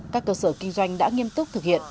các cơ sở kinh doanh đã nghiêm túc thực hiện